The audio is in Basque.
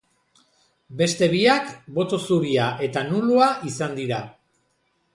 Beste biak boto zuria eta nulua izan dira.